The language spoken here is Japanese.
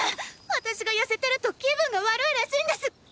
私が痩せてると気分が悪いらしいんです彼っ！